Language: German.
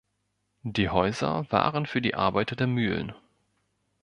Die Häuser waren für die Arbeiter der Mühlen.